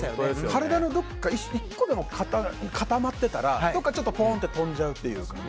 体のどこか１個でも固まってたらどこか、ちょっとポーンと飛んじゃうという。